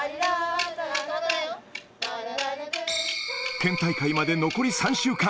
県大会まで残り３週間。